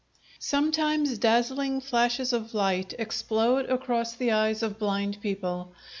Sometimes dazzling flashes of light explode across the eyes of blind people.